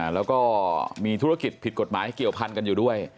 แล้วก็มีธุรกิจผิดกฎหมายเกี่ยวพันกันอยู่ด้วย